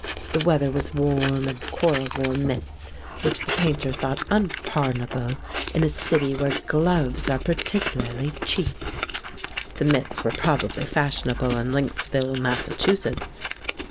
The weather was warm, and Cora wore mitts, which the Painter thought unpardonable in a city where gloves are particularly cheap. The mitts were probably fashionable in Lynxville, Massachusetts.